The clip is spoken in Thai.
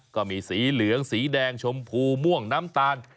ก็มีสีเหลืองสีแดงชมพูม่วงน้ำตาล